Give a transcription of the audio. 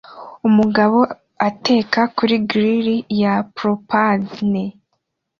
Umugabo ateka kuri grill ya propane